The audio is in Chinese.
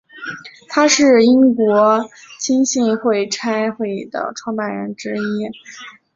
他是英国浸信会差会的创办人之一。